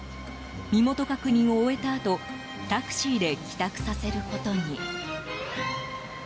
身元確認を終えたあとタクシーで帰宅させることに。